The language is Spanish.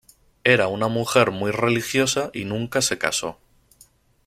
Era una mujer muy religiosa y nunca se casó.